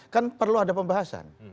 kan perlu ada pembahasan